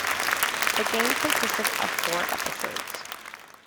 The game consisted of four episodes.